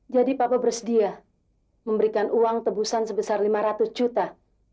jadi papa bersedia memberikan uang tebusan sebesar lima ratus juta